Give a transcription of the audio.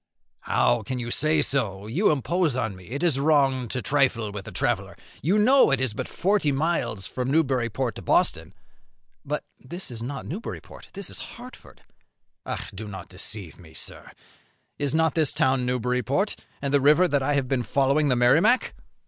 "How can you say so? you impose on me; it is wrong to trifle with a traveller; you know it is but forty miles from Newburyport to Boston." "But this is not Newburyport; this is Hartford." "Do not deceive me, sir. Is not this town Newburyport, and the river that I have been following the Merrimac?"